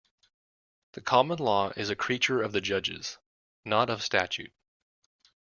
The common law is a creature of the judges, not of statute.